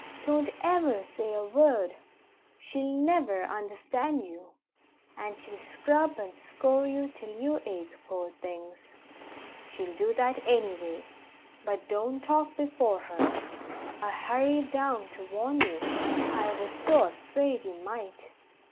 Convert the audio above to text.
Don't ever say a word she'll never understand you, and she'll scrub and scour you till you ache, poor things! she'll do that anyway, but don't talk before her. I hurried down to warn you I was so afraid you might."